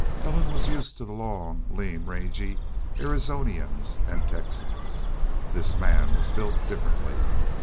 Ellen was used to the long, lean, rangy Arizonians and Texans. This man was built differently.